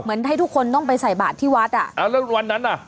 ให้ทุกคนต้องไปใส่บาทที่วัดอ่ะอ่าแล้ววันนั้นอ่ะ